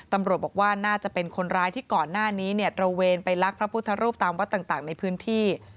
ตำรวจบอกว่าน่าจะเป็นคนร้ายที่ก่อนหน้านี้เนี่ยตระเวนไปลักพระพุทธรูปตามวัดต่างในพื้นที่